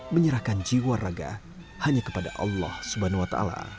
menyerahkan jiwa raga hanya kepada allah swt